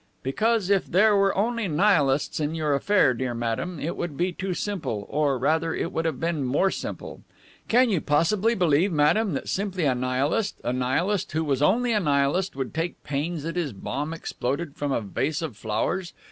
'?" "Because, if there were only Nihilists in your affair, dear madame, it would be too simple, or, rather, it would have been more simple. Can you possibly believe, madame, that simply a Nihilist, a Nihilist who was only a Nihilist, would take pains that his bomb exploded from a vase of flowers?